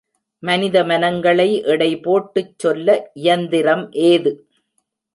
மனித மனங்களை எடை போட்டுச் சொல்ல இயந்திரம் ஏது?